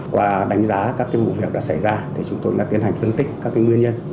qua đánh giá các vụ việc đã xảy ra thì chúng tôi đã tiến hành phân tích các nguyên nhân